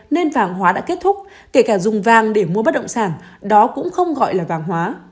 nên vàng hóa đã kết thúc kể cả dùng vàng để mua bất động sản đó cũng không gọi là vàng hóa